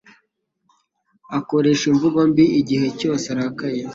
Akoresha imvugo mbi igihe cyose arakaye